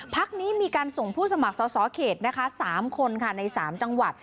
พักนี้มีการส่งผู้สมัครสาวเขตสามคนในสามจังหวัด